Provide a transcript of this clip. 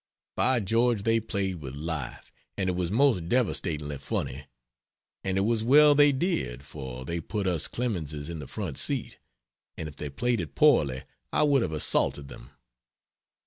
By George they played with life! and it was most devastatingly funny. And it was well they did, for they put us Clemenses in the front seat, and if they played it poorly I would have assaulted them.